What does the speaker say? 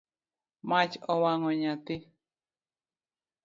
Mach owango nyathi